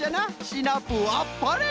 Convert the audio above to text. シナプーあっぱれ！